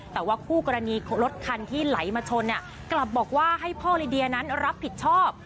แต่ว่าคู่กรณีรถคันที่ไหลมาชนกลับบอกว่าให้พ่อลิเดียนั้นรับผิดชอบ